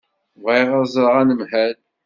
Bɣiɣ ad ẓreɣ anemhal.